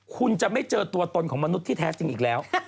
คุณจะไม่เจอตัวตนของมนุษย์ที่แท้จริงอีกแล้ว